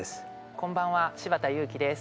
こんばんは柴田悠貴です。